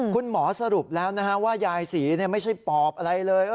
คุณหมอสรุปแล้วนะฮะว่ายายศรีไม่ใช่ปอบอะไรเลย